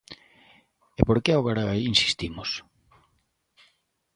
¿E por que agora insistimos?